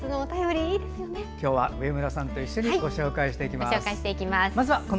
今日は上村さんと一緒にご紹介していきます。